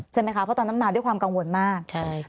ใช่ไหมคะเพราะตอนนั้นมาด้วยความกังวลมาก